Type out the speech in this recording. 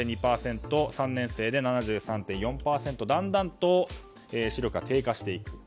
３年生で７３．４％だんだんと視力が低下していく。